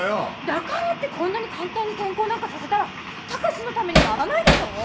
だからってこんなに簡単に転校なんかさせたら高志のためにならないでしょう？